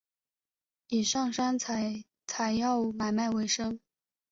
以上山采草药买卖为生。